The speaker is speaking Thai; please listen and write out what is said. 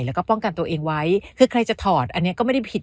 แล้วก็ป้องกันตัวเองไว้คือใครจะถอดอันนี้ก็ไม่ได้ผิด